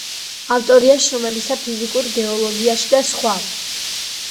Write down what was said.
ავტორია შრომებისა ფიზიკურ გეოლოგიაში და სხვა.